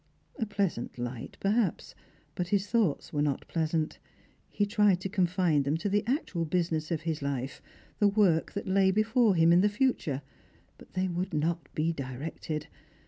A pleasant light, perhaps ; but his thoughts were not plea Bant. He tried to confine them to the actual lousiness of his life, the work that lay before him in the future ; but they would not be directed.